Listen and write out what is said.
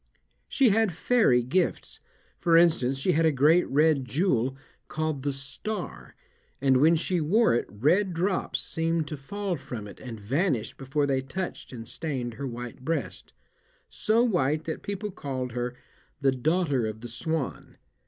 She had fairy gifts; for instance, she had a great red jewel, called "the Star," and when she wore it red drops seemed to fall from it and vanished before they touched and stained her white breast so white that people called her "the Daughter of the Swan."